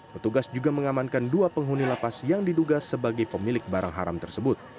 petugas juga mengamankan dua penghuni lapas yang diduga sebagai pemilik barang haram tersebut